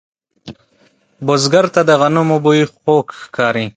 بزګر ته د غنمو بوی خوږ ښکاري